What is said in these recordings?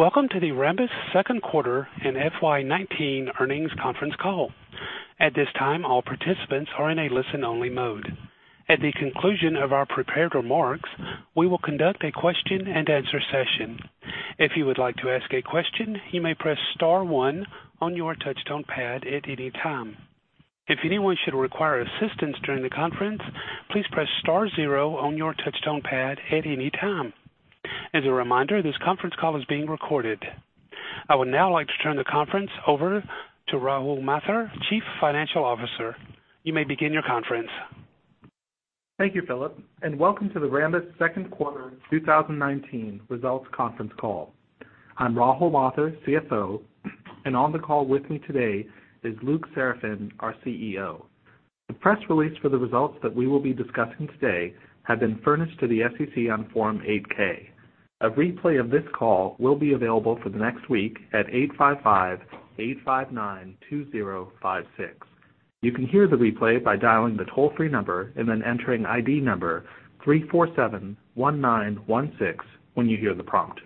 Welcome to the Rambus Q2 and FY 2019 earnings conference call. At this time, all participants are in a listen-only mode. At the conclusion of our prepared remarks, we will conduct a question and answer session. If you would like to ask a question, you may press star one on your touchtone pad at any time. If anyone should require assistance during the conference, please press star zero on your touchtone pad at any time. As a reminder, this conference call is being recorded. I would now like to turn the conference over to Rahul Mathur, Chief Financial Officer. You may begin your conference. Thank you, Philip, and welcome to the Rambus Q2 2019 results conference call. I'm Rahul Mathur, CFO. On the call with me today is Luc Seraphin, our CEO. The press release for the results that we will be discussing today have been furnished to the SEC on Form 8-K. A replay of this call will be available for the next week at 855-859-2056. You can hear the replay by dialing the toll-free number and then entering ID number 3471916 when you hear the prompt.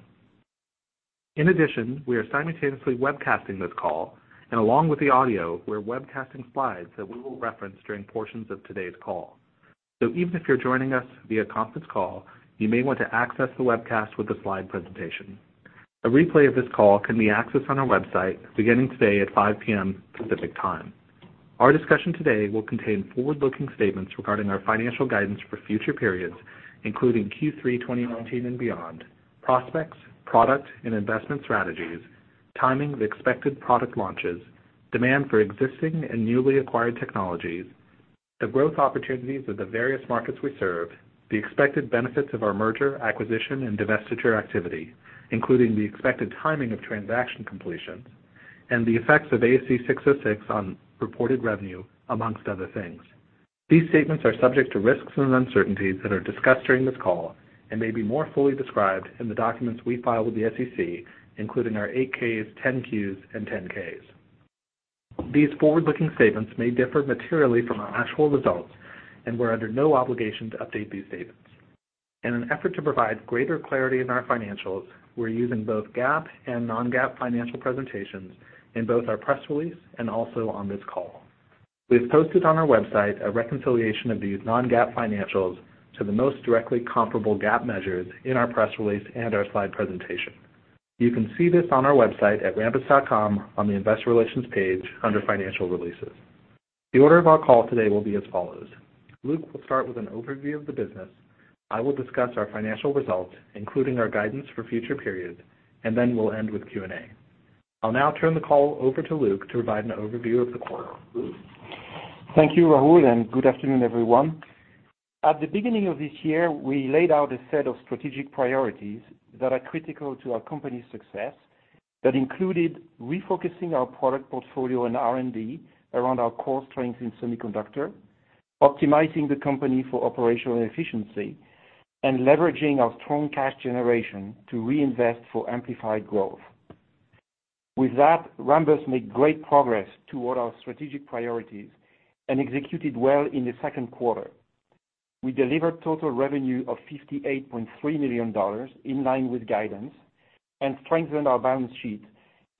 In addition, we are simultaneously webcasting this call. Along with the audio, we're webcasting slides that we will reference during portions of today's call. Even if you're joining us via conference call, you may want to access the webcast with the slide presentation. A replay of this call can be accessed on our website beginning today at 5:00 P.M. Pacific Time. Our discussion today will contain forward-looking statements regarding our financial guidance for future periods, including Q3 2019 and beyond, prospects, product and investment strategies, timing of expected product launches, demand for existing and newly acquired technologies, the growth opportunities of the various markets we serve, the expected benefits of our merger, acquisition and divestiture activity, including the expected timing of transaction completions, and the effects of ASC 606 on reported revenue, amongst other things. These statements are subject to risks and uncertainties that are discussed during this call and may be more fully described in the documents we file with the SEC, including our 8-Ks, 10-Qs and 10-Ks. These forward-looking statements may differ materially from our actual results, and we're under no obligation to update these statements. In an effort to provide greater clarity in our financials, we're using both GAAP and non-GAAP financial presentations in both our press release and also on this call. We've posted on our website a reconciliation of these non-GAAP financials to the most directly comparable GAAP measures in our press release and our slide presentation. You can see this on our website at rambus.com on the Investor Relations page under Financial Releases. The order of our call today will be as follows. Luc will start with an overview of the business. I will discuss our financial results, including our guidance for future periods, and then we'll end with Q&A. I'll now turn the call over to Luc to provide an overview of the quarter. Luc? Thank you, Rahul. Good afternoon, everyone. At the beginning of this year, we laid out a set of strategic priorities that are critical to our company's success. That included refocusing our product portfolio and R&D around our core strengths in semiconductor, optimizing the company for operational efficiency, and leveraging our strong cash generation to reinvest for amplified growth. With that Rambus made great progress toward our strategic priorities and executed well in the Q2. We delivered total revenue of $58.3 million, in line with guidance, and strengthened our balance sheet,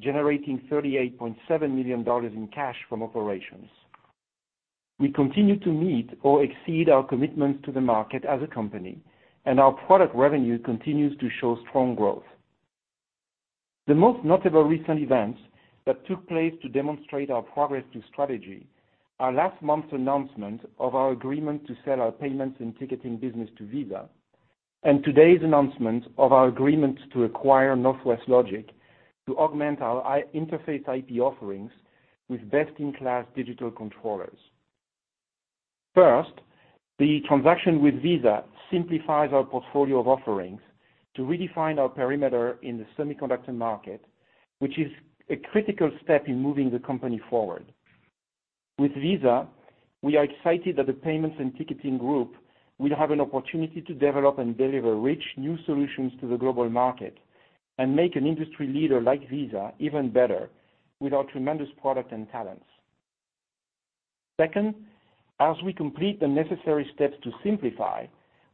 generating $38.7 million in cash from operations. We continue to meet or exceed our commitments to the market as a company, and our product revenue continues to show strong growth. The most notable recent events that took place to demonstrate our progress to strategy are last month's announcement of our agreement to sell our payments and ticketing business to Visa, and today's announcement of our agreement to acquire Northwest Logic to augment our interface IP offerings with best-in-class digital controllers. First, the transaction with Visa simplifies our portfolio of offerings to redefine our perimeter in the semiconductor market, which is a critical step in moving the company forward. With Visa, we are excited that the payments and ticketing group will have an opportunity to develop and deliver rich new solutions to the global market and make an industry leader like Visa even better with our tremendous product and talents. Second, as we complete the necessary steps to simplify,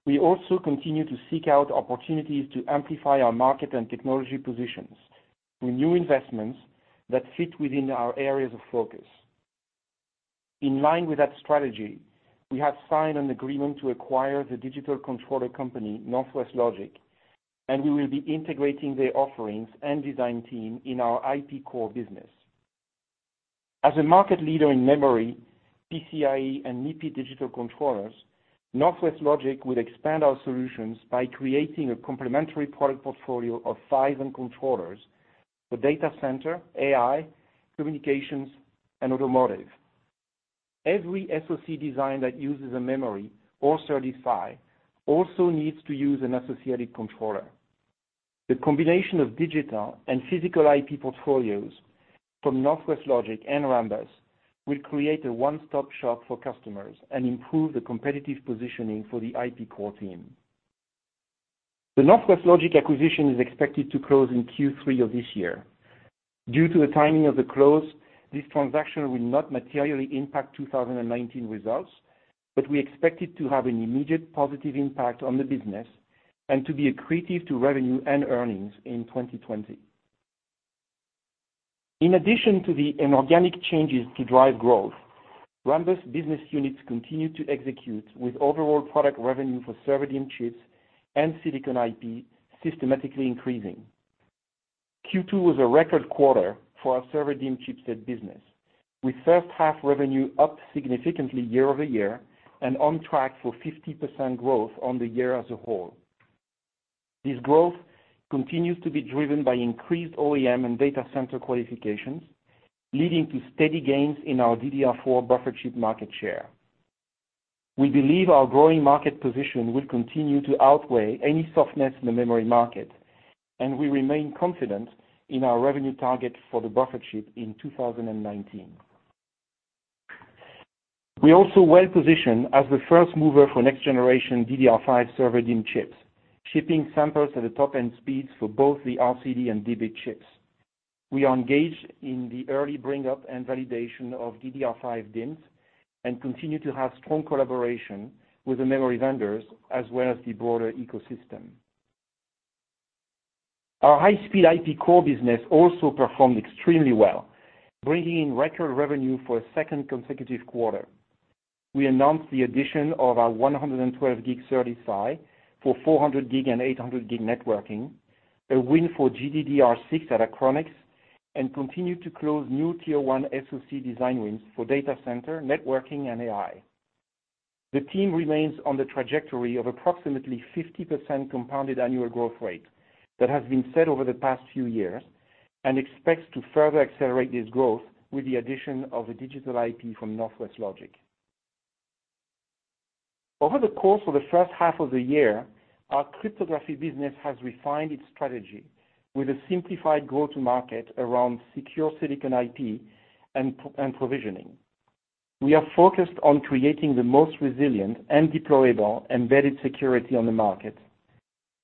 we also continue to seek out opportunities to amplify our market and technology positions with new investments that fit within our areas of focus. In line with that strategy, we have signed an agreement to acquire the digital controller company, Northwest Logic, and we will be integrating their offerings and design team in our IP core business. As a market leader in memory, PCIe and MIPI digital controllers, Northwest Logic will expand our solutions by creating a complementary product portfolio of PHYs and controllers for data center, AI, communications and automotive. Every SoC design that uses a memory or SerDes PHY also needs to use an associated controller. The combination of digital and physical IP portfolios from Northwest Logic and Rambus will create a one-stop shop for customers and improve the competitive positioning for the IP core team. The Northwest Logic acquisition is expected to close in Q3 of this year. Due to the timing of the close, this transaction will not materially impact 2019 results, but we expect it to have an immediate positive impact on the business and to be accretive to revenue and earnings in 2020. In addition to the inorganic changes to drive growth, Rambus business units continue to execute with overall product revenue for server DIMM chips and silicon IP systematically increasing. Q2 was a record quarter for our server DIMM chipset business, with first half revenue up significantly year-over-year and on track for 50% growth on the year as a whole. This growth continues to be driven by increased OEM and data center qualifications, leading to steady gains in our DDR4 buffer chip market share. We believe our growing market position will continue to outweigh any softness in the memory market, and we remain confident in our revenue target for the buffer chip in 2019. We are also well-positioned as the first mover for next-generation DDR5 server DIMM chips, shipping samples at the top-end speeds for both the RCD and DB chips. We are engaged in the early bring-up and validation of DDR5 DIMMs and continue to have strong collaboration with the memory vendors, as well as the broader ecosystem. Our high-speed IP core business also performed extremely well, bringing in record revenue for a second consecutive quarter. We announced the addition of our 112G SerDes PHY for 400G and 800G networking, a win for GDDR6 at Achronix, and continue to close new Tier 1 SoC design wins for data center, networking, and AI. The team remains on the trajectory of approximately 50% compounded annual growth rate that has been set over the past few years and expects to further accelerate this growth with the addition of the digital IP from Northwest Logic. Over the course of the H1 of the year, our cryptography business has refined its strategy with a simplified go-to-market around secure silicon IP and provisioning. We are focused on creating the most resilient and deployable embedded security on the market.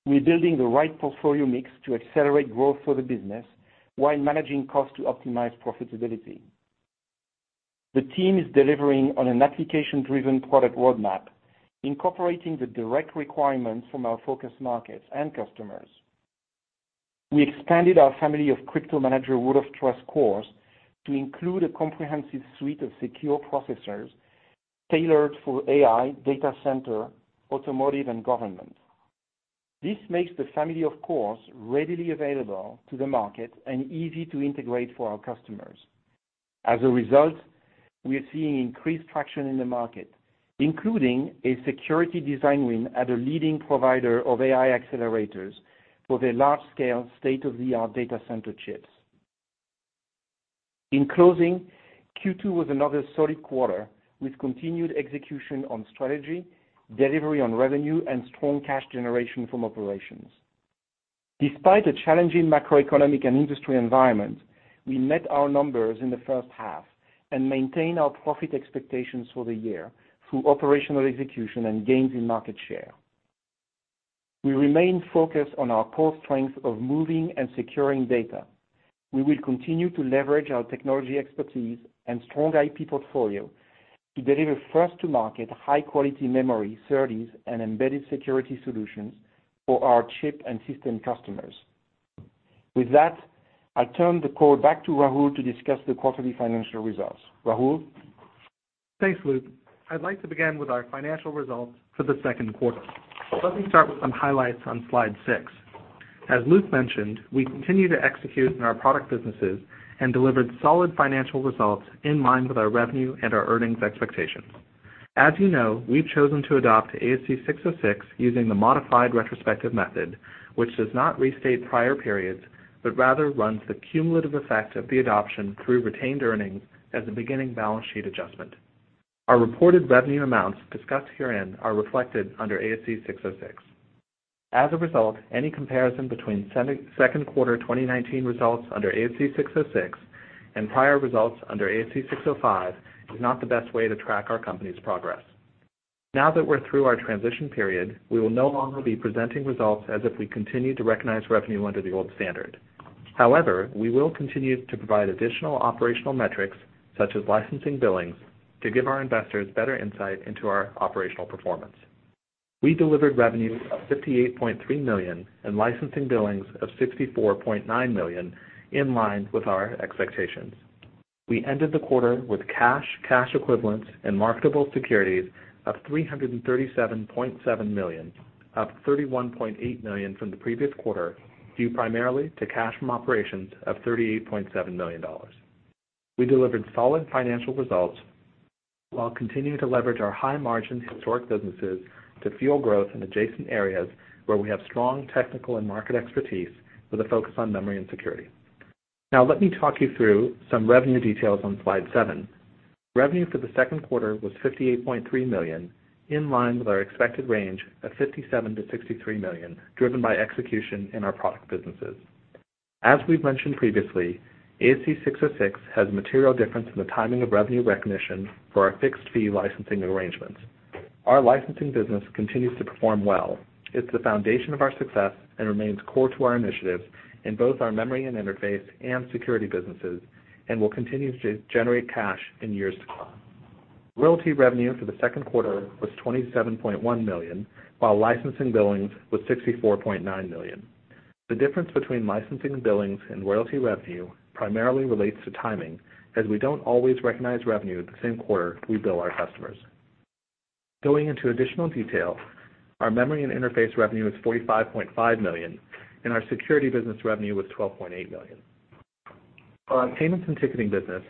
We are building the right portfolio mix to accelerate growth for the business while managing costs to optimize profitability. The team is delivering on an application-driven product roadmap, incorporating the direct requirements from our focus markets and customers. We expanded our family of CryptoManager root of trust cores to include a comprehensive suite of secure processors tailored for AI, data center, automotive, and government. This makes the family of cores readily available to the market and easy to integrate for our customers. As a result, we are seeing increased traction in the market, including a security design win at a leading provider of AI accelerators for their large-scale, state-of-the-art data center chips. In closing, Q2 was another solid quarter with continued execution on strategy, delivery on revenue, and strong cash generation from operations. Despite a challenging macroeconomic and industry environment, we met our numbers in the H1 and maintained our profit expectations for the year through operational execution and gains in market share. We remain focused on our core strength of moving and securing data. We will continue to leverage our technology expertise and strong IP portfolio to deliver first-to-market, high-quality memory, SerDes, and embedded security solutions for our chip and system customers. With that, I turn the call back to Rahul to discuss the quarterly financial results. Rahul? Thanks, Luc. I'd like to begin with our financial results for the Q2. Let me start with some highlights on slide six. As Luc mentioned, we continue to execute in our product businesses and delivered solid financial results in line with our revenue and our earnings expectations. As you know, we've chosen to adopt ASC 606 using the modified retrospective method, which does not restate prior periods, but rather runs the cumulative effect of the adoption through retained earnings as a beginning balance sheet adjustment. Our reported revenue amounts discussed herein are reflected under ASC 606. As a result, any comparison between Q2 2019 results under ASC 606 and prior results under ASC 605 is not the best way to track our company's progress. Now that we're through our transition period, we will no longer be presenting results as if we continue to recognize revenue under the old standard. However, we will continue to provide additional operational metrics, such as licensing billings, to give our investors better insight into our operational performance. We delivered revenue of $58.3 million and licensing billings of $64.9 million, in line with our expectations. We ended the quarter with cash equivalents, and marketable securities of $337.7 million, up $31.8 million from the previous quarter, due primarily to cash from operations of $38.7 million. We delivered solid financial results while continuing to leverage our high-margin historic businesses to fuel growth in adjacent areas where we have strong technical and market expertise with a focus on memory and security. Now let me talk you through some revenue details on slide seven. Revenue for the Q2 was $58.3 million, in line with our expected range of $57 million-$63 million, driven by execution in our product businesses. As we've mentioned previously, ASC 606 has a material difference in the timing of revenue recognition for our fixed-fee licensing arrangements. Our licensing business continues to perform well. It's the foundation of our success and remains core to our initiatives in both our memory and interface and security businesses, and will continue to generate cash in years to come. Royalty revenue for the Q2 was $27.1 million, while licensing billings was $64.9 million. The difference between licensing billings and royalty revenue primarily relates to timing, as we don't always recognize revenue the same quarter we bill our customers. Going into additional detail, our memory and interface revenue is $45.5 million, and our security business revenue was $12.8 million. For our payments and ticketing business,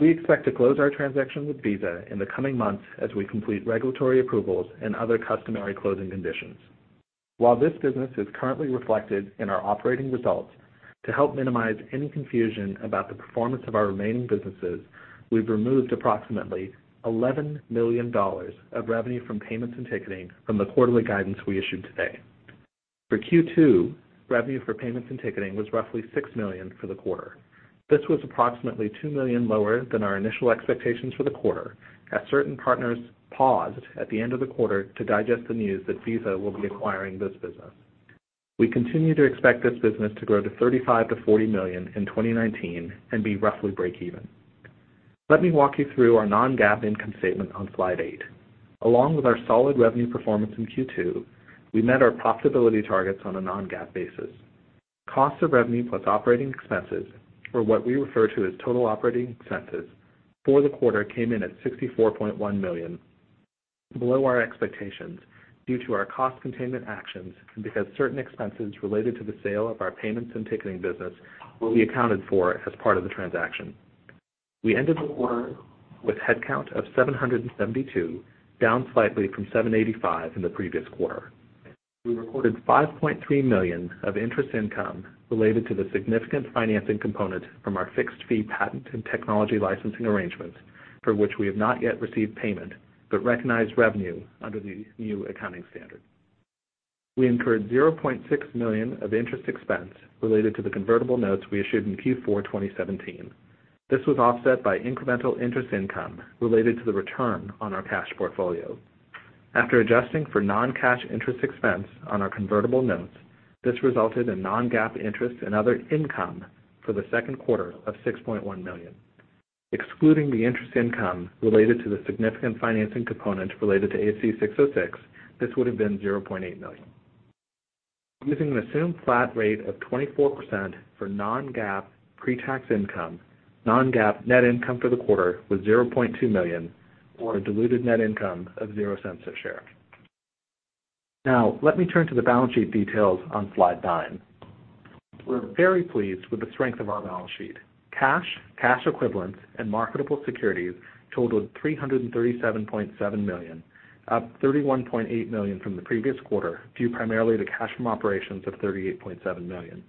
we expect to close our transaction with Visa in the coming months as we complete regulatory approvals and other customary closing conditions. While this business is currently reflected in our operating results, to help minimize any confusion about the performance of our remaining businesses, we've removed approximately $11 million of revenue from payments and ticketing from the quarterly guidance we issued today. For Q2, revenue for payments and ticketing was roughly $6 million for the quarter. This was approximately $2 million lower than our initial expectations for the quarter, as certain partners paused at the end of the quarter to digest the news that Visa will be acquiring this business. We continue to expect this business to grow to $35 million-$40 million in 2019 and be roughly breakeven. Let me walk you through our non-GAAP income statement on slide eight. Along with our solid revenue performance in Q2, we met our profitability targets on a non-GAAP basis. Cost of revenue plus operating expenses, or what we refer to as total operating expenses, for the quarter came in at $64.1 million, below our expectations due to our cost containment actions and because certain expenses related to the sale of our payments and ticketing business will be accounted for as part of the transaction. We ended the quarter with headcount of 772, down slightly from 785 in the previous quarter. We recorded $5.3 million of interest income related to the significant financing component from our fixed-fee patent and technology licensing arrangements, for which we have not yet received payment, but recognized revenue under the new accounting standard. We incurred $0.6 million of interest expense related to the convertible notes we issued in Q4 2017. This was offset by incremental interest income related to the return on our cash portfolio. After adjusting for non-cash interest expense on our convertible notes, this resulted in non-GAAP interest and other income for the Q2 of $6.1 million. Excluding the interest income related to the significant financing component related to ASC 606, this would have been $0.8 million. Using an assumed flat rate of 24% for non-GAAP pre-tax income, non-GAAP net income for the quarter was $0.2 million, or a diluted net income of $0.00 a share. Let me turn to the balance sheet details on slide nine. We're very pleased with the strength of our balance sheet. Cash, cash equivalents, and marketable securities totaled $337.7 million, up $31.8 million from the previous quarter, due primarily to cash from operations of $38.7 million.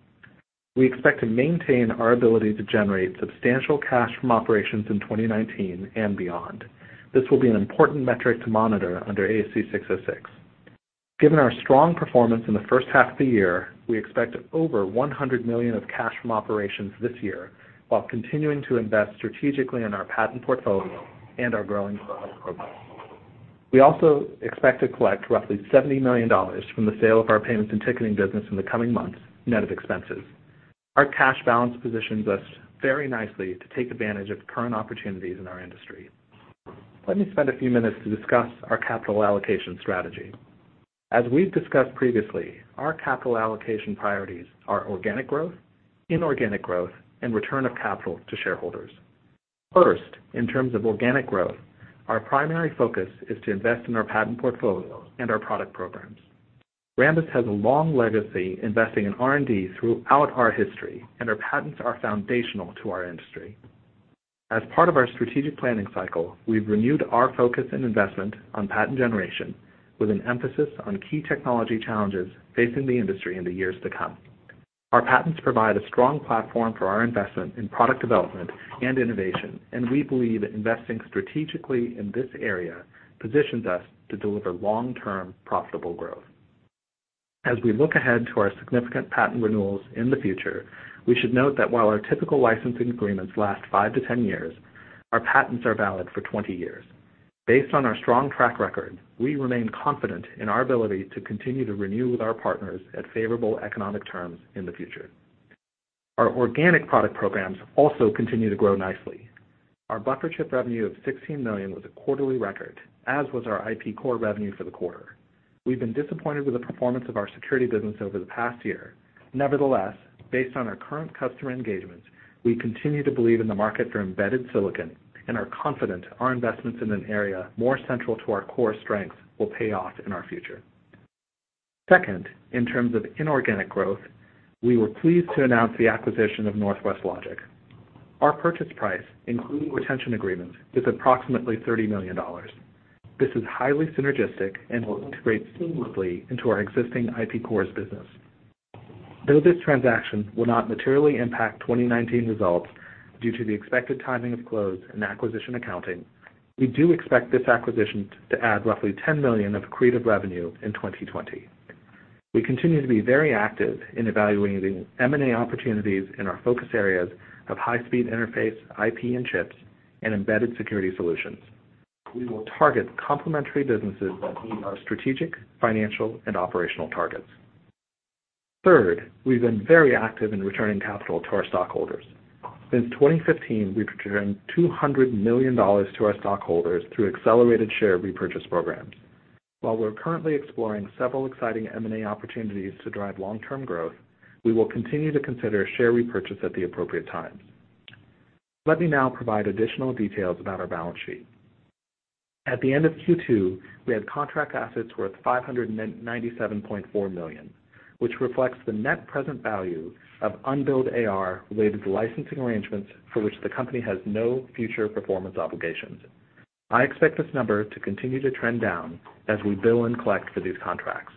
We expect to maintain our ability to generate substantial cash from operations in 2019 and beyond. This will be an important metric to monitor under ASC 606. Given our strong performance in the H1 of the year, we expect over $100 million of cash from operations this year while continuing to invest strategically in our patent portfolio and our growing product programs. We also expect to collect roughly $70 million from the sale of our payments and ticketing business in the coming months, net of expenses. Our cash balance positions us very nicely to take advantage of current opportunities in our industry. Let me spend a few minutes to discuss our capital allocation strategy. As we've discussed previously, our capital allocation priorities are organic growth, inorganic growth, and return of capital to shareholders. First, in terms of organic growth, our primary focus is to invest in our patent portfolio and our product programs. Rambus has a long legacy investing in R&D throughout our history, and our patents are foundational to our industry. As part of our strategic planning cycle, we've renewed our focus and investment on patent generation with an emphasis on key technology challenges facing the industry in the years to come. Our patents provide a strong platform for our investment in product development and innovation, and we believe investing strategically in this area positions us to deliver long-term profitable growth. As we look ahead to our significant patent renewals in the future, we should note that while our typical licensing agreements last 5-10 years, our patents are valid for 20 years. Based on our strong track record, we remain confident in our ability to continue to renew with our partners at favorable economic terms in the future. Our organic product programs also continue to grow nicely. Our buffer chip revenue of $16 million was a quarterly record, as was our IP core revenue for the quarter. We've been disappointed with the performance of our security business over the past year. Nevertheless, based on our current customer engagements, we continue to believe in the market for embedded silicon and are confident our investments in an area more central to our core strengths will pay off in our future. Second, in terms of inorganic growth, we were pleased to announce the acquisition of Northwest Logic. Our purchase price, including retention agreements, is approximately $30 million. This is highly synergistic and will integrate seamlessly into our existing IP cores business. Though this transaction will not materially impact 2019 results due to the expected timing of close and acquisition accounting, we do expect this acquisition to add roughly $10 million of accretive revenue in 2020. We continue to be very active in evaluating M&A opportunities in our focus areas of high-speed interface, IP and chips, and embedded security solutions. We will target complementary businesses that meet our strategic, financial, and operational targets. Third, we've been very active in returning capital to our stockholders. Since 2015, we've returned $200 million to our stockholders through accelerated share repurchase programs. While we're currently exploring several exciting M&A opportunities to drive long-term growth, we will continue to consider a share repurchase at the appropriate time. Let me now provide additional details about our balance sheet. At the end of Q2, we had contract assets worth $597.4 million, which reflects the net present value of unbilled AR related to licensing arrangements for which the company has no future performance obligations. I expect this number to continue to trend down as we bill and collect for these contracts.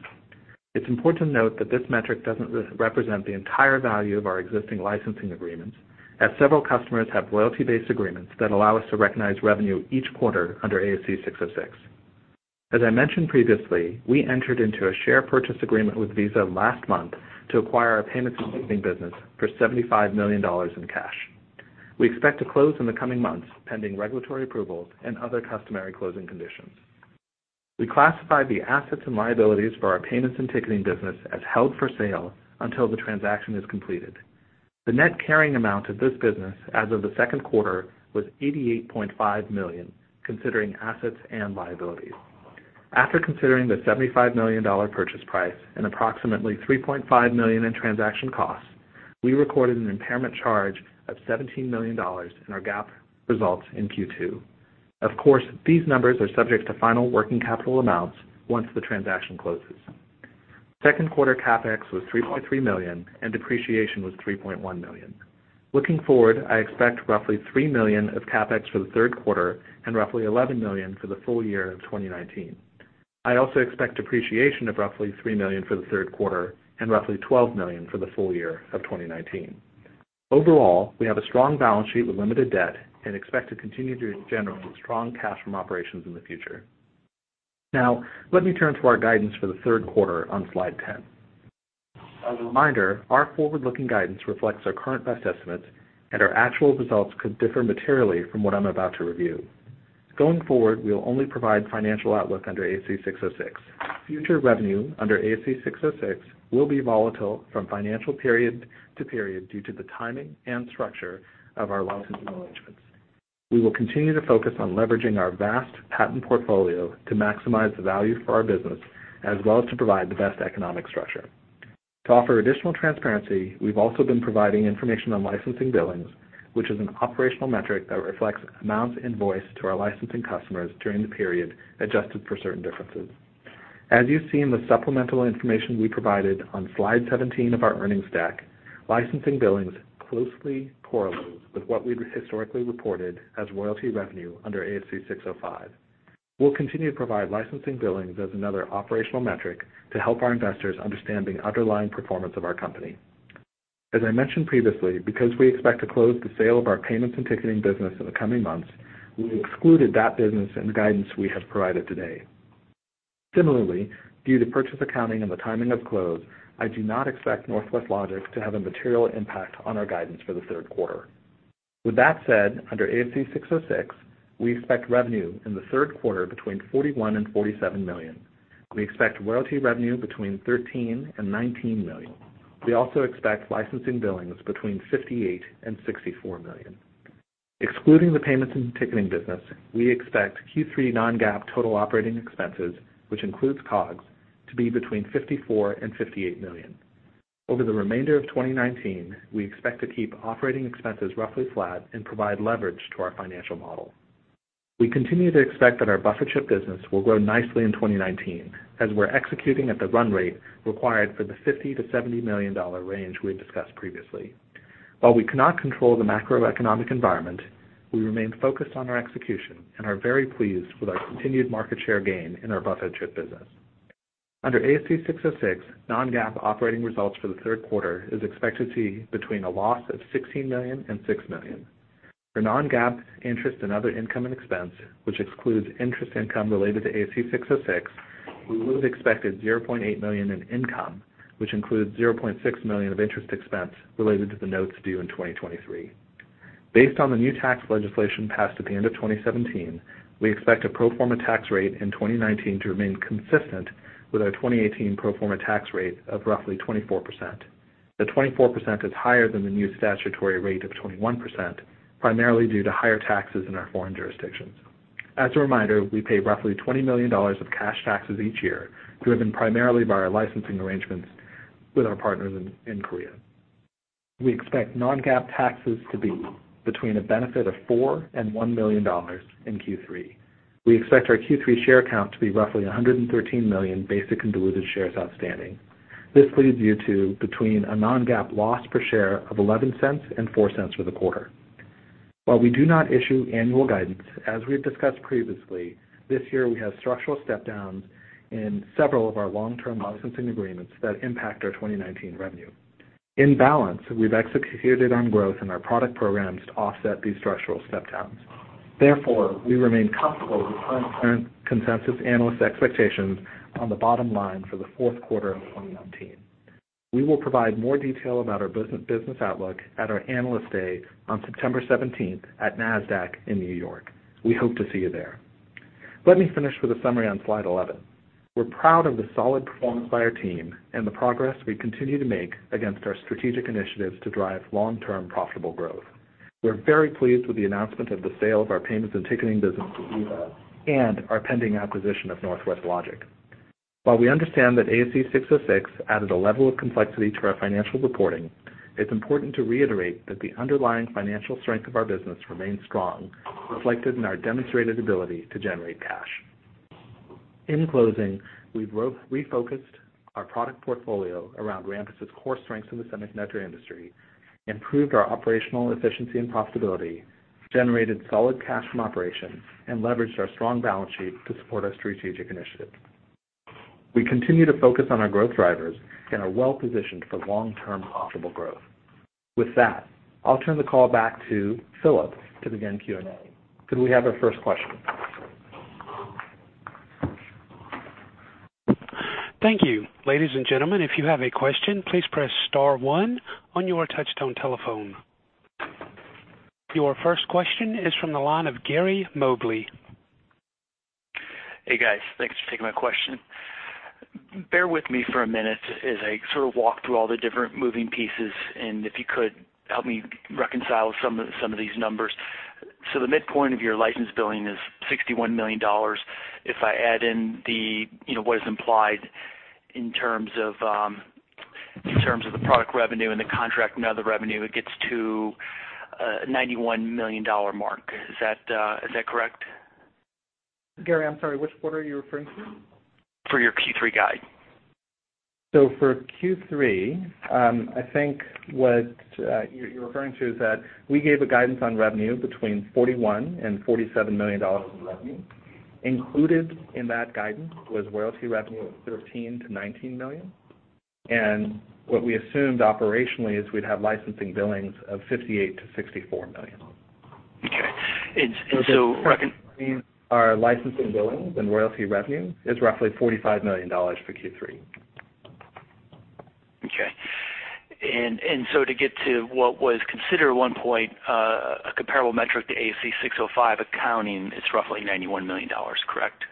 It's important to note that this metric doesn't represent the entire value of our existing licensing agreements, as several customers have loyalty-based agreements that allow us to recognize revenue each quarter under ASC 606. As I mentioned previously, we entered into a share purchase agreement with Visa last month to acquire our payments and ticketing business for $75 million in cash. We expect to close in the coming months, pending regulatory approvals and other customary closing conditions. We classified the assets and liabilities for our payments and ticketing business as held for sale until the transaction is completed. The net carrying amount of this business as of the Q2 was $88.5 million, considering assets and liabilities. After considering the $75 million purchase price and approximately $3.5 million in transaction costs, we recorded an impairment charge of $17 million in our GAAP results in Q2. Of course, these numbers are subject to final working capital amounts once the transaction closes. Q2 CapEx was $3.3 million, and depreciation was $3.1 million. Looking forward, I expect roughly $3 million of CapEx for Q3 and roughly $11 million for the full year of 2019. I also expect depreciation of roughly $3 million for the Q3 and roughly $12 million for the full year of 2019. Overall, we have a strong balance sheet with limited debt and expect to continue to generate strong cash from operations in the future. Let me turn to our guidance for the Q3 on slide 10. As a reminder, our forward-looking guidance reflects our current best estimates, and our actual results could differ materially from what I'm about to review. Going forward, we will only provide financial outlook under ASC 606. Future revenue under ASC 606 will be volatile from financial period to period due to the timing and structure of our licensing arrangements. We will continue to focus on leveraging our vast patent portfolio to maximize the value for our business, as well as to provide the best economic structure. To offer additional transparency, we've also been providing information on licensing billings, which is an operational metric that reflects amounts invoiced to our licensing customers during the period, adjusted for certain differences. As you see in the supplemental information we provided on slide 17 of our earnings deck, licensing billings closely correlates with what we've historically reported as royalty revenue under ASC 605. We'll continue to provide licensing billings as another operational metric to help our investors understand the underlying performance of our company. As I mentioned previously, because we expect to close the sale of our payments and ticketing business in the coming months, we've excluded that business and guidance we have provided today. Similarly, due to purchase accounting and the timing of close, I do not expect Northwest Logic to have a material impact on our guidance for the Q3. Under ASC 606, we expect revenue in the Q3 between $41 million and $47 million. We expect royalty revenue between $13 million and $19 million. We also expect licensing billings between $58 million and $64 million. Excluding the payments and ticketing business, we expect Q3 non-GAAP total operating expenses, which includes COGS, to be between $54 million and $58 million. Over the remainder of 2019, we expect to keep operating expenses roughly flat and provide leverage to our financial model. We continue to expect that our buffer chip business will grow nicely in 2019, as we're executing at the run rate required for the $50 million-$70 million range we had discussed previously. While we cannot control the macroeconomic environment, we remain focused on our execution and are very pleased with our continued market share gain in our buffer chip business. Under ASC 606, non-GAAP operating results for the Q3 is expected to be between a loss of $16 million and $6 million. For non-GAAP interest and other income and expense, which excludes interest income related to ASC 606, we would expect a $0.8 million in income, which includes $0.6 million of interest expense related to the notes due in 2023. Based on the new tax legislation passed at the end of 2017, we expect a pro forma tax rate in 2019 to remain consistent with our 2018 pro forma tax rate of roughly 24%. The 24% is higher than the new statutory rate of 21%, primarily due to higher taxes in our foreign jurisdictions. As a reminder, we pay roughly $20 million of cash taxes each year, driven primarily by our licensing arrangements with our partners in Korea. We expect non-GAAP taxes to be between a benefit of $4 million and $1 million in Q3. We expect our Q3 share count to be roughly 113 million basic and diluted shares outstanding. This leads you to between a non-GAAP loss per share of $0.11 and $0.04 for the quarter. While we do not issue annual guidance, as we have discussed previously, this year we have structural step downs in several of our long-term licensing agreements that impact our 2019 revenue. In balance, we've executed on growth in our product programs to offset these structural step downs. Therefore, we remain comfortable with current consensus analyst expectations on the bottom line for the Q4 of 2019. We will provide more detail about our business outlook at our Analyst Day on September 17th at Nasdaq in New York. We hope to see you there. Let me finish with a summary on slide 11. We're proud of the solid performance by our team and the progress we continue to make against our strategic initiatives to drive long-term profitable growth. We're very pleased with the announcement of the sale of our payments and ticketing business to Visa and our pending acquisition of Northwest Logic. While we understand that ASC 606 added a level of complexity to our financial reporting, it's important to reiterate that the underlying financial strength of our business remains strong, reflected in our demonstrated ability to generate cash. In closing, we've refocused our product portfolio around Rambus' core strengths in the semiconductor industry, improved our operational efficiency and profitability, generated solid cash from operations, and leveraged our strong balance sheet to support our strategic initiatives. We continue to focus on our growth drivers and are well-positioned for long-term profitable growth. With that, I'll turn the call back to Philip to begin Q&A. Could we have our first question? Thank you. Ladies and gentlemen, if you have a question, please press star one on your touchtone telephone. Your first question is from the line of Gary Mobley. Hey, guys. Thanks for taking my question. Bear with me for a minute as I sort of walk through all the different moving pieces, and if you could help me reconcile some of these numbers. The midpoint of your license billing is $61 million. If I add in what is implied in terms of the product revenue and the contract net revenue, it gets to a $91 million mark. Is that correct? Gary, I'm sorry, which quarter are you referring to? For your Q3 guide. For Q3, I think what you're referring to is that we gave a guidance on revenue between $41 million and $47 million in revenue. Included in that guidance was royalty revenue of $13 million-$19 million, and what we assumed operationally is we'd have licensing billings of $58 million-$64 million. Okay. Our licensing billings and royalty revenue is roughly $45 million for Q3. Okay. To get to what was considered at one point a comparable metric to ASC 605 accounting, it's roughly $91 million, correct?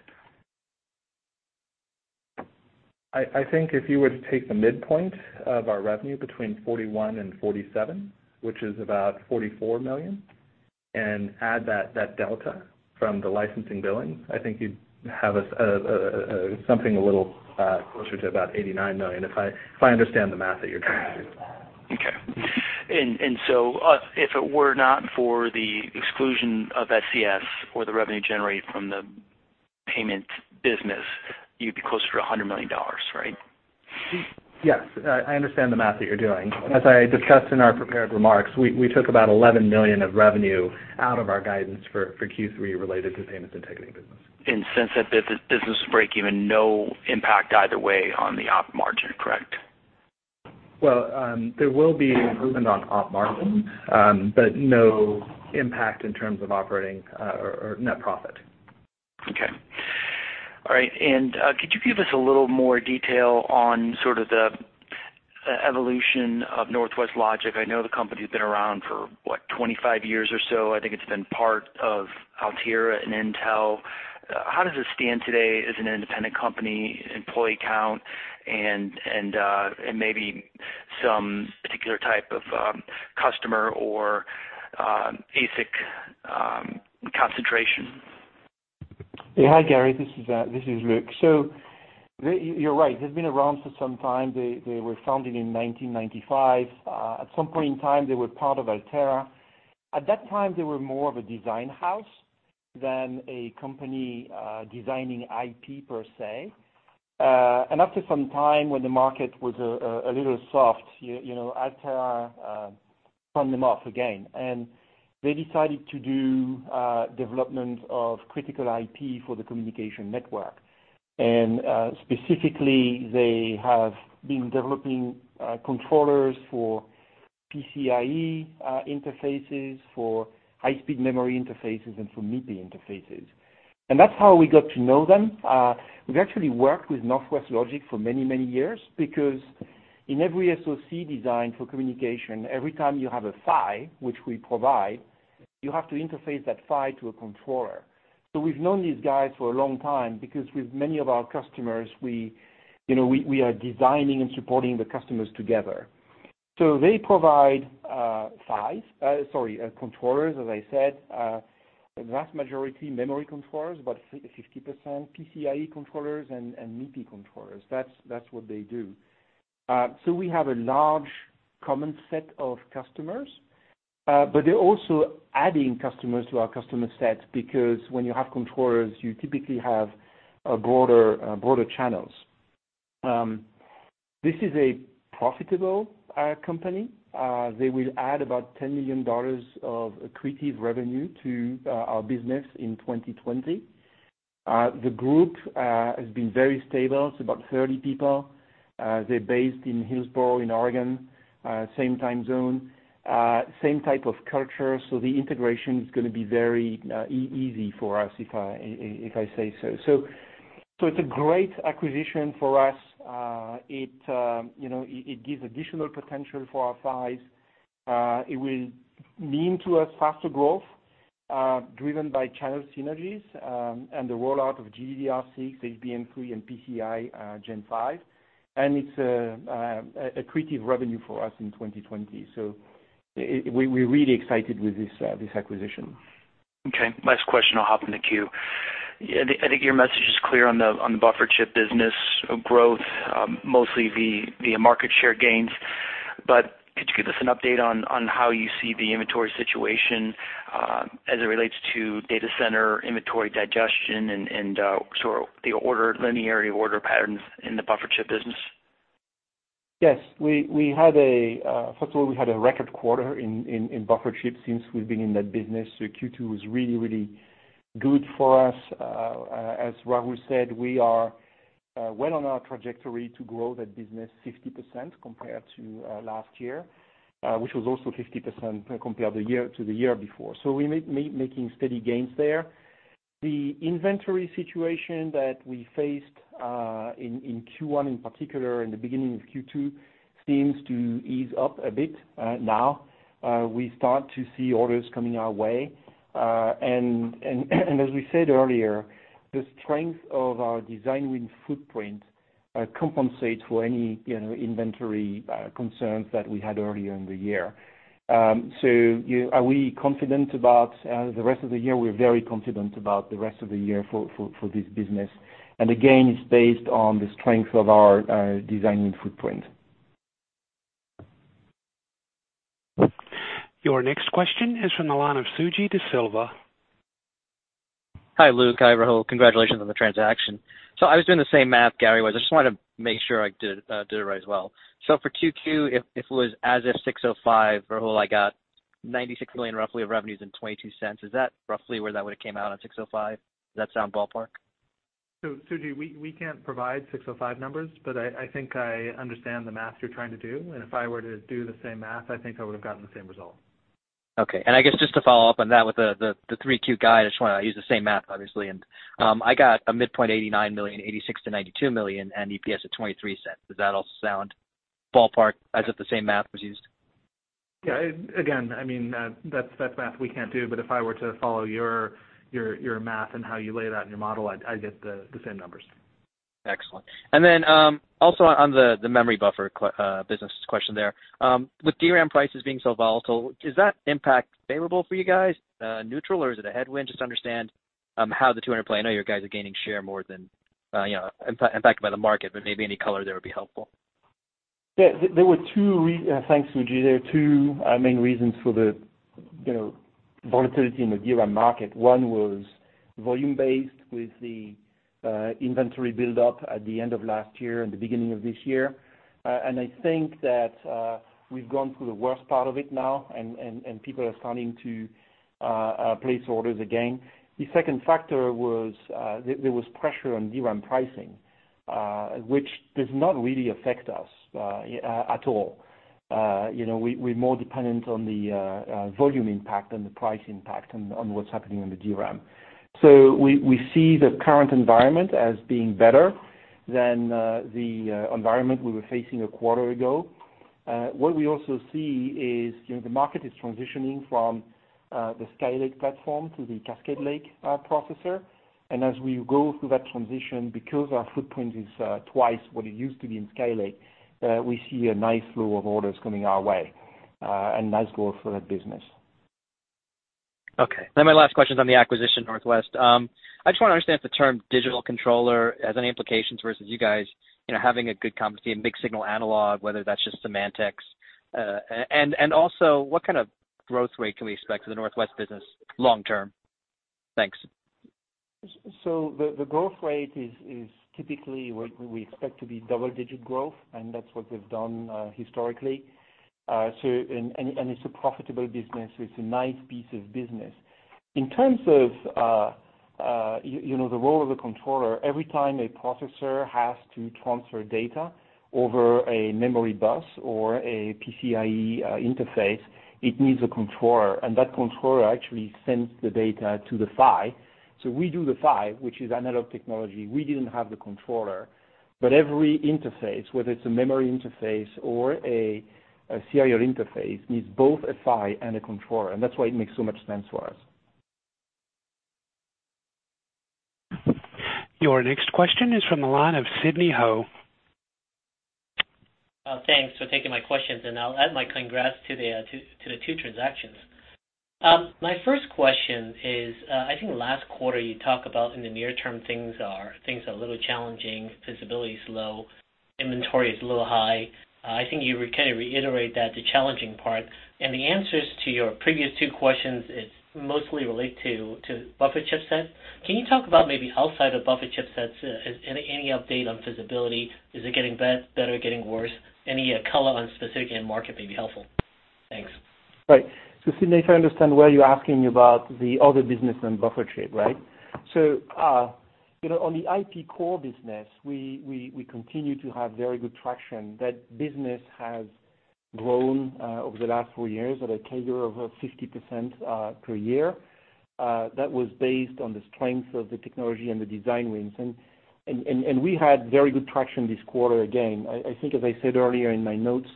I think if you were to take the midpoint of our revenue between $41 million and $47 milion, which is about $44 million, and add that delta from the licensing billing, I think you'd have something a little closer to about $89 million, if I understand the math that you're trying to do. Okay. If it were not for the exclusion of SCS or the revenue generated from the payment business, you'd be closer to $100 million, right? Yes. I understand the math that you're doing. As I discussed in our prepared remarks, we took about $11 million of revenue out of our guidance for Q3 related to payments and ticketing business. Since that business is break-even, no impact either way on the op margin, correct? Well, there will be improvement on op margin, but no impact in terms of operating or net profit. Okay. All right, could you give us a little more detail on sort of the evolution of Northwest Logic? I know the company's been around for, what, 25 years or so. I think it's been part of Altera and Intel. How does it stand today as an independent company, employee count, and maybe some particular type of customer or ASIC concentration? Hi, Gary. This is Luc. You're right. They've been around for some time. They were founded in 1995. At some point in time, they were part of Altera. At that time, they were more of a design house than a company designing IP, per se. After some time, when the market was a little soft, Altera spun them off again, and they decided to do development of critical IP for the communication network. Specifically, they have been developing controllers for PCIe interfaces, for high-speed memory interfaces, and for MIPI interfaces. That's how we got to know them. We've actually worked with Northwest Logic for many, many years because in every SoC design for communication, every time you have a PHY, which we provide, you have to interface that PHY to a controller. We've known these guys for a long time because with many of our customers, we are designing and supporting the customers together. They provide controllers, as I said. A vast majority memory controllers, about 50% PCIe controllers and MIPI controllers. That's what they do. We have a large common set of customers, but they're also adding customers to our customer set because when you have controllers, you typically have broader channels. This is a profitable company. They will add about $10 million of accretive revenue to our business in 2020. The group has been very stable. It's about 30 people. They're based in Hillsboro, in Oregon, same time zone, same type of culture, so the integration is going to be very easy for us if I say so. It's a great acquisition for us. It gives additional potential for our PHYs. It will mean to us faster growth, driven by channel synergies and the rollout of GDDR6, HBM3, and PCIe Gen 5. It's accretive revenue for us in 2020. We're really excited with this acquisition. Okay, last question. I'll hop in the queue. I think your message is clear on the buffer chip business growth, mostly the market share gains. Could you give us an update on how you see the inventory situation as it relates to data center inventory digestion and the linearity order patterns in the buffer chip business? Yes. First of all, we had a record quarter in buffer chips since we've been in that business. Q2 was really good for us. As Rahul said, we are well on our trajectory to grow that business 50% compared to last year, which was also 50% compared to the year before. We're making steady gains there. The inventory situation that we faced in Q1, in particular, in the beginning of Q2, seems to ease up a bit now. We start to see orders coming our way. As we said earlier, the strength of our design win footprint compensates for any inventory concerns that we had earlier in the year. Are we confident about the rest of the year? We're very confident about the rest of the year for this business. Again, it's based on the strength of our design win footprint. Your next question is from the line of Suji Desilva. Hi, Luc. Hi, Rahul. Congratulations on the transaction. I was doing the same math Gary was. I just wanted to make sure I did it right as well. For Q2, if it was as if 605, Rahul, I got $96 million roughly of revenues and $0.22. Is that roughly where that would've came out at 605? Does that sound ballpark? Suji, we can't provide 605 numbers, but I think I understand the math you're trying to do, and if I were to do the same math, I think I would've gotten the same result. Okay. I guess just to follow up on that with the Q3 guide, I just want to use the same math, obviously. I got a midpoint $89 million, $86 million-$92 million, and EPS at $0.23. Does that all sound ballpark as if the same math was used? Yeah. Again, that's math we can't do, but if I were to follow your math and how you lay it out in your model, I'd get the same numbers. Excellent. Also on the memory buffer business question there. With DRAM prices being so volatile, is that impact favorable for you guys, neutral, or is it a headwind? Just to understand how the 200 play. I know your guys are gaining share more than impacted by the market, maybe any color there would be helpful. Thanks, Suji. There are two main reasons for the volatility in the DRAM market. One was volume-based with the inventory buildup at the end of last year and the beginning of this year. I think that we've gone through the worst part of it now, and people are starting to place orders again. The second factor was there was pressure on DRAM pricing, which does not really affect us at all. We're more dependent on the volume impact than the price impact on what's happening on the DRAM. We see the current environment as being better than the environment we were facing a quarter ago. What we also see is the market is transitioning from the Skylake platform to the Cascade Lake processor. As we go through that transition, because our footprint is twice what it used to be in Skylake, we see a nice flow of orders coming our way, a nice growth for that business. My last question is on the acquisition, Northwest. I just want to understand if the term digital controller has any implications versus you guys having a good competency in mixed-signal analog, whether that's just semantics. Also, what kind of growth rate can we expect for the Northwest business long term? Thanks. The growth rate is typically what we expect to be double-digit growth, and that's what they've done historically. It's a profitable business, so it's a nice piece of business. In terms of the role of the controller, every time a processor has to transfer data over a memory bus or a PCIe interface, it needs a controller, and that controller actually sends the data to the PHY. We do the PHY, which is analog technology. We didn't have the controller, but every interface, whether it's a memory interface or a serial interface, needs both a PHY and a controller, and that's why it makes so much sense for us. Your next question is from the line of Sidney Ho. Thanks for taking my questions, and I'll add my congrats to the two transactions. My first question is, I think last quarter you talk about in the near term, things are a little challenging, visibility is low, inventory is a little high. I think you kind of reiterate that, the challenging part, and the answers to your previous two questions, it mostly relate to buffer chipsets. Can you talk about maybe outside of buffer chipsets, any update on visibility? Is it getting better, getting worse? Any color on specific end market may be helpful. Thanks. Right. Sidney, if I understand where you're asking about the other business than buffer chip, right? On the IP core business, we continue to have very good traction. That business has grown over the last four years at a CAGR of 50% per year. That was based on the strength of the technology and the design wins. We had very good traction this quarter again. I think as I said earlier in my notes,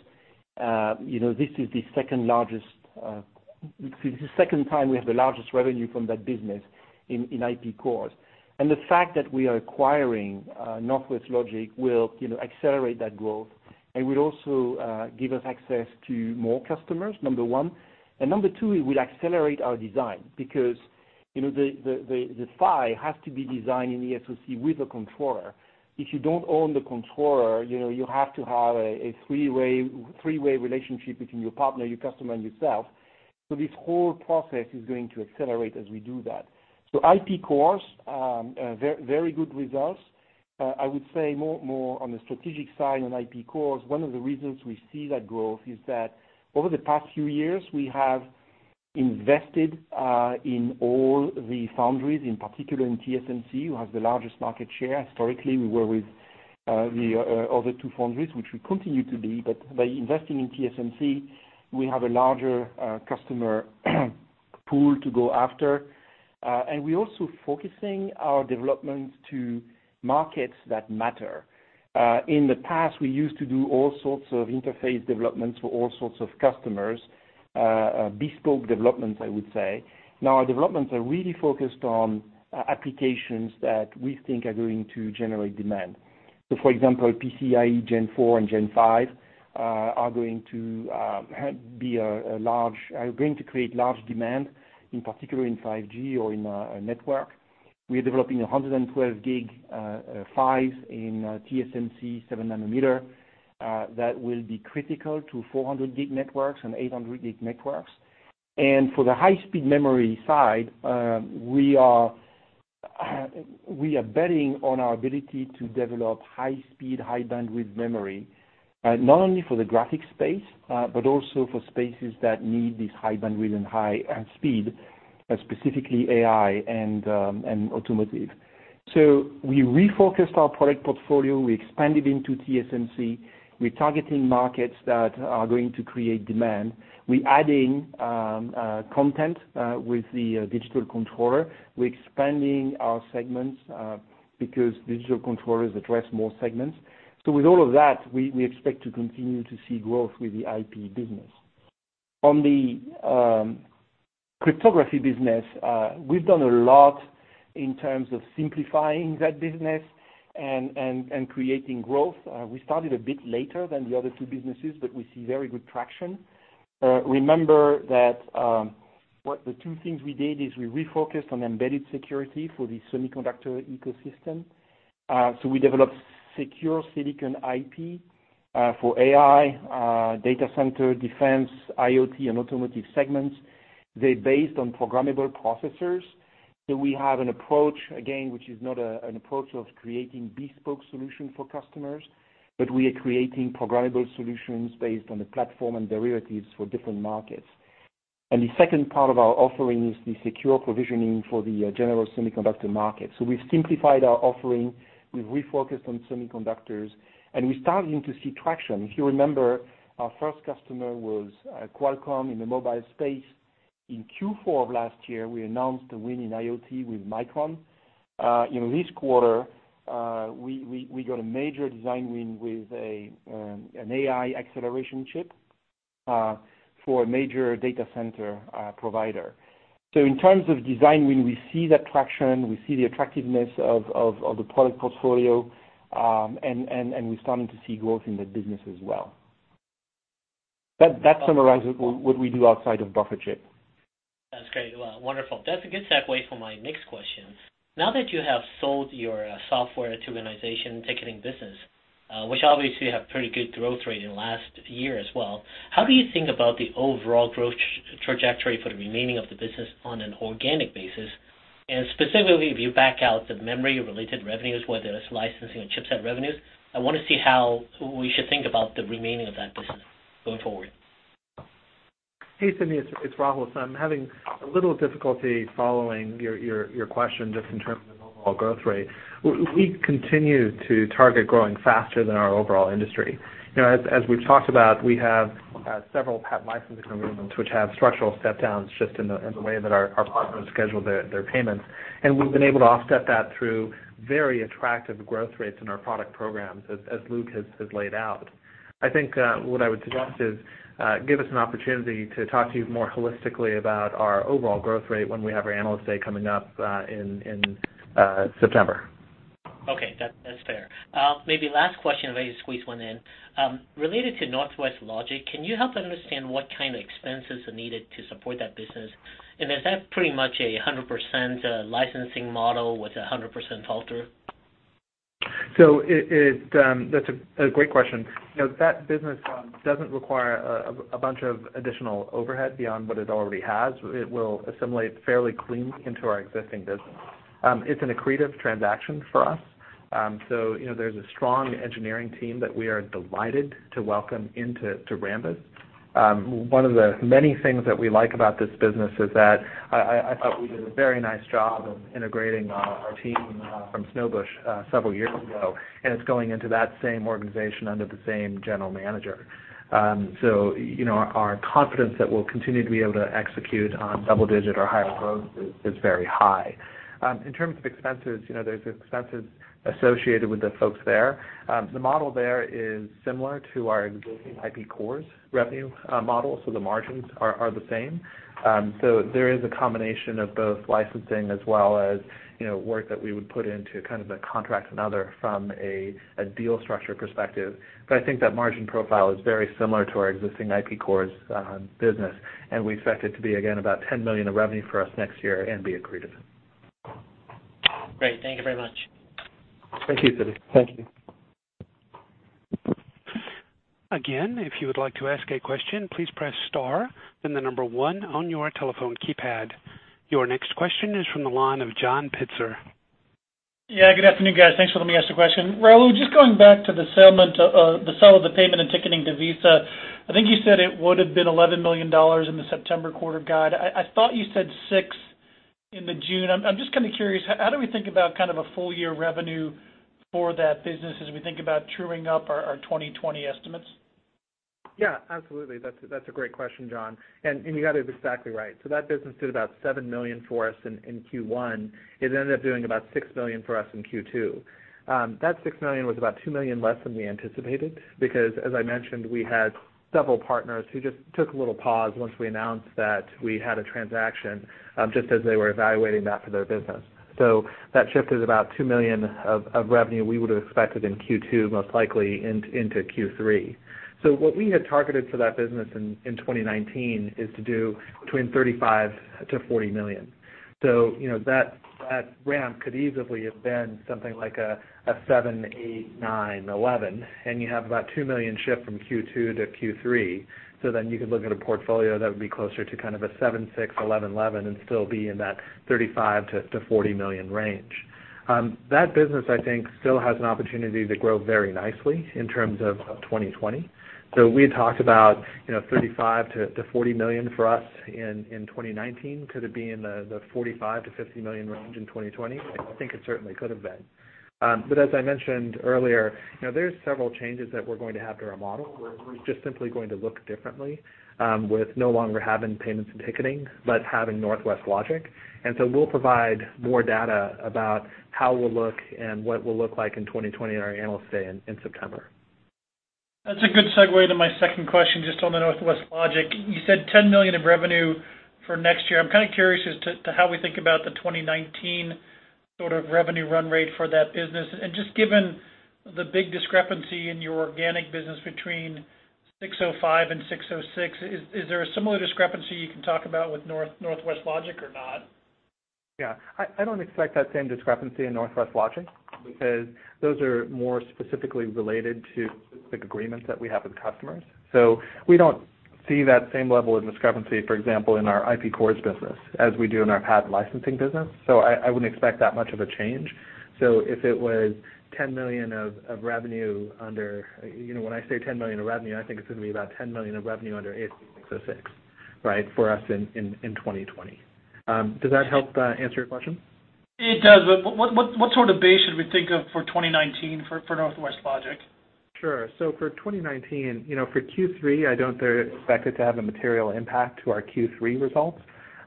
this is the second time we have the largest revenue from that business in IP cores. The fact that we are acquiring Northwest Logic will accelerate that growth and will also give us access to more customers, number one. Number two, it will accelerate our design because the PHY has to be designed in the SoC with a controller. If you don't own the controller, you have to have a three-way relationship between your partner, your customer, and yourself. This whole process is going to accelerate as we do that. IP cores, very good results. I would say more on the strategic side on IP cores, one of the reasons we see that growth is that over the past few years, we have invested in all the foundries, in particular in TSMC, who has the largest market share. Historically, we were with the other two foundries, which we continue to be, but by investing in TSMC, we have a larger customer pool to go after. We're also focusing our development to markets that matter. In the past, we used to do all sorts of interface developments for all sorts of customers, bespoke developments, I would say. Now our developments are really focused on applications that we think are going to generate demand. For example, PCIe Gen 4 and Gen 5 are going to create large demand, in particular in 5G or in a network. We are developing 112G PHYs in TSMC 7 nanometer that will be critical to 400G networks and 800G networks. For the high-speed memory side, we are betting on our ability to develop high speed, high bandwidth memory, not only for the graphic space but also for spaces that need this high bandwidth and high speed, specifically AI and automotive. We refocused our product portfolio. We expanded into TSMC. We're targeting markets that are going to create demand. We're adding content with the digital controller. We're expanding our segments because digital controllers address more segments. With all of that, we expect to continue to see growth with the IP business. On the cryptography business, we've done a lot in terms of simplifying that business and creating growth. We started a bit later than the other two businesses, but we see very good traction. Remember that the two things we did is we refocused on embedded security for the semiconductor ecosystem. We developed secure silicon IP for AI, data center, defense, IoT, and automotive segments. They're based on programmable processors. We have an approach, again, which is not an approach of creating bespoke solution for customers, but we are creating programmable solutions based on the platform and derivatives for different markets. The second part of our offering is the secure provisioning for the general semiconductor market. We've simplified our offering. We've refocused on semiconductors, and we're starting to see traction. If you remember, our first customer was Qualcomm in the mobile space. In Q4 of last year, we announced a win in IoT with Micron. In this quarter, we got a major design win with an AI acceleration chip for a major data center provider. In terms of design win, we see that traction, we see the attractiveness of the product portfolio, and we're starting to see growth in that business as well. That summarizes what we do outside of Buffer chip. That's great. Well, wonderful. That's a good segue for my next question. Now that you have sold your software virtualization ticketing business, which obviously had pretty good growth rate in last year as well, how do you think about the overall growth trajectory for the remaining of the business on an organic basis? Specifically, if you back out the memory related revenues, whether it's licensing or chipset revenues, I want to see how we should think about the remaining of that business going forward. Hey, Sidney, it's Rahul. I'm having a little difficulty following your question just in terms of the overall growth rate. We continue to target growing faster than our overall industry. As we've talked about, we have several patent licensing agreements which have structural step downs just in the way that our partners schedule their payments, and we've been able to offset that through very attractive growth rates in our product programs as Luc has laid out. I think what I would suggest is give us an opportunity to talk to you more holistically about our overall growth rate when we have our Analyst Day coming up in September. Okay. That's fair. Maybe last question if I could squeeze one in. Related to Northwest Logic, can you help understand what kind of expenses are needed to support that business? Is that pretty much 100% licensing model with 100% all-in? That's a great question. That business doesn't require a bunch of additional overhead beyond what it already has. It will assimilate fairly clean into our existing business. It's an accretive transaction for us. There's a strong engineering team that we are delighted to welcome into Rambus. One of the many things that we like about this business is that I thought we did a very nice job of integrating our team from Snowbush several years ago, and it's going into that same organization under the same general manager. Our confidence that we'll continue to be able to execute on double-digit or higher growth is very high. In terms of expenses, there's expenses associated with the folks there. The model there is similar to our existing IP cores revenue model, so the margins are the same. There is a combination of both licensing as well as work that we would put into kind of a contract to another from a deal structure perspective. I think that margin profile is very similar to our existing IP cores business, and we expect it to be, again, about $10 million of revenue for us next year and be accretive. Great. Thank you very much. Thank you, Sidney. Thank you. Again, if you would like to ask a question, please press star, then the number one on your telephone keypad. Your next question is from the line of John Pitzer. Yeah, good afternoon, guys. Thanks for letting me ask the question. Rahul, just going back to the sale of the payment and ticketing to Visa. I think you said it would have been $11 million in the September quarter guide. I thought you said $6 in the June. I'm just kind of curious, how do we think about kind of a full year revenue for that business as we think about truing up our 2020 estimates? Yeah, absolutely. That's a great question, John, and you got it exactly right. That business did about $7 million for us in Q1. It ended up doing about $6 million for us in Q2. That $6 million was about $2 million less than we anticipated because, as I mentioned, we had several partners who just took a little pause once we announced that we had a transaction, just as they were evaluating that for their business. That shifted about $2 million of revenue we would have expected in Q2, most likely into Q3. What we had targeted for that business in 2019 is to do between $35 million-$40 million. That ramp could easily have been something like a seven, eight, nine, 11, and you have about $2 million shift from Q2 to Q3. You could look at a portfolio that would be closer to kind of a seven, six, 11 and still be in that $35 million-$40 million range. That business, I think, still has an opportunity to grow very nicely in terms of 2020. We had talked about $35 million-$40 million for us in 2019. Could it be in the $45 million-$50 million range in 2020? I think it certainly could have been. As I mentioned earlier, there's several changes that we're going to have to our model where it's just simply going to look differently, with no longer having payments and ticketing, but having Northwest Logic. We'll provide more data about how we'll look and what we'll look like in 2020 at our Analyst Day in September. That's a good segue to my second question, just on the Northwest Logic. You said $10 million of revenue for next year. I'm kind of curious as to how we think about the 2019 sort of revenue run rate for that business. And just given the big discrepancy in your organic business between ASC 605 and ASC 606, is there a similar discrepancy you can talk about with Northwest Logic or not? Yeah, I don't expect that same discrepancy in Northwest Logic because those are more specifically related to specific agreements that we have with customers. We don't see that same level of discrepancy, for example, in our IP cores business as we do in our PAT licensing business. I wouldn't expect that much of a change. If it was $10 million of revenue when I say $10 million of revenue, I think it's going to be about $10 million of revenue under ASC 606, right, for us in 2020. Does that help answer your question? It does, what sort of base should we think of for 2019 for Northwest Logic? Sure. For 2019, for Q3, I don't expect it to have a material impact to our Q3 results.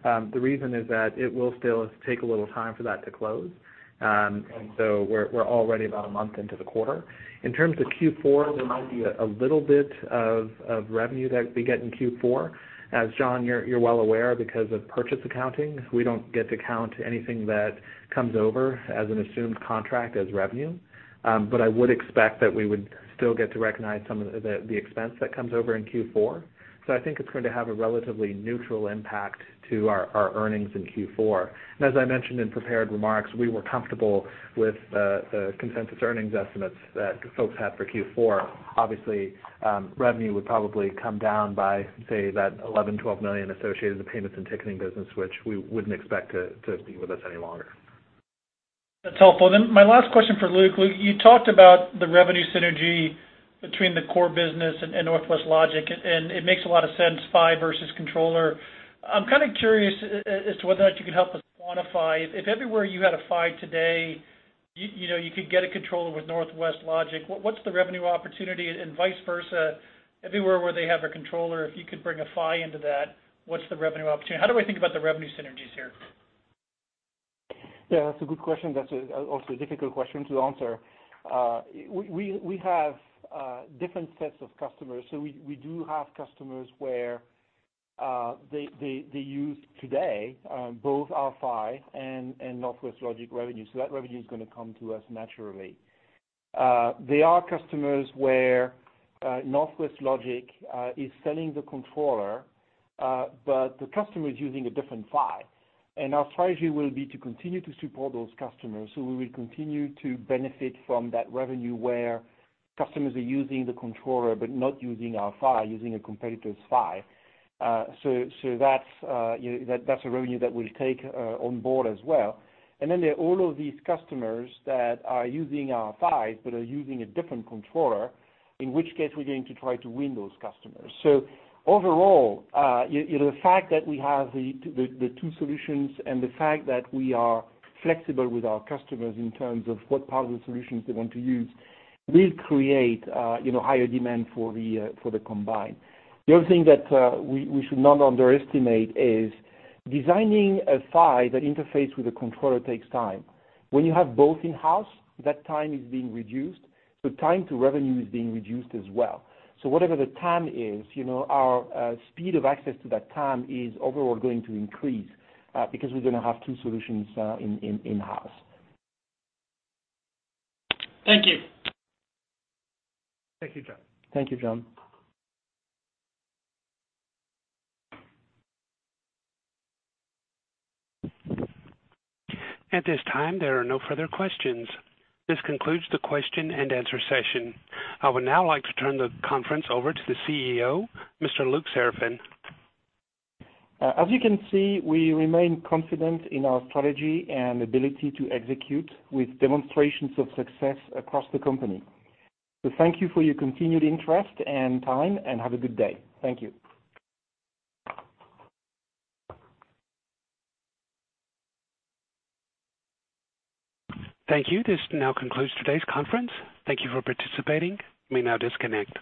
The reason is that it will still take a little time for that to close. We're already about a month into the quarter. In terms of Q4, there might be a little bit of revenue that we get in Q4. As John, you're well aware because of purchase accounting, we don't get to count anything that comes over as an assumed contract as revenue. I would expect that we would still get to recognize some of the expense that comes over in Q4. I think it's going to have a relatively neutral impact to our earnings in Q4. As I mentioned in prepared remarks, we were comfortable with the consensus earnings estimates that folks had for Q4. Obviously, revenue would probably come down by, say, that $11 million, $12 million associated with the payments and ticketing business, which we wouldn't expect to be with us any longer. That's helpful. Then my last question for Luc. Luc, you talked about the revenue synergy between the core business and Northwest Logic, and it makes a lot of sense, PHY versus controller. I'm kind of curious as to whether or not you can help us quantify. If everywhere you had a PHY today, you could get a controller with Northwest Logic, what's the revenue opportunity and vice versa, everywhere where they have a controller, if you could bring a PHY into that, what's the revenue opportunity? How do we think about the revenue synergies here? Yeah, that's a good question. That's also a difficult question to answer. We have different sets of customers. We do have customers where they use today both our PHY and Northwest Logic revenue. That revenue is going to come to us naturally. There are customers where Northwest Logic is selling the controller, but the customer is using a different PHY. Our strategy will be to continue to support those customers, so we will continue to benefit from that revenue where customers are using the controller but not using our PHY, using a competitor's PHY. That's a revenue that we'll take on board as well. There are all of these customers that are using our PHYs but are using a different controller, in which case we're going to try to win those customers. Overall, the fact that we have the two solutions and the fact that we are flexible with our customers in terms of what part of the solutions they want to use will create higher demand for the combined. The other thing that we should not underestimate is designing a PHY that interface with a controller takes time. When you have both in-house, that time is being reduced, time to revenue is being reduced as well. Whatever the TAM is, our speed of access to that TAM is overall going to increase because we're going to have two solutions in-house. Thank you. Thank you, John. Thank you, John. At this time, there are no further questions. This concludes the question and answer session. I would now like to turn the conference over to the CEO, Mr. Luc Seraphin. As you can see, we remain confident in our strategy and ability to execute with demonstrations of success across the company. Thank you for your continued interest and time, and have a good day. Thank you. Thank you. This now concludes today's conference. Thank you for participating. You may now disconnect.